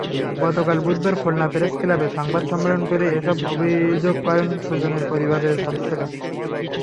গতকাল বুধবার খুলনা প্রেসক্লাবে সংবাদ সম্মেলন করে এসব অভিযোগ করেন সুজনের পরিবারের সদস্যরা।